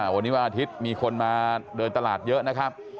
วันนี้วันอาทิตย์มีคนมาเดินตลาดเยอะนะครับ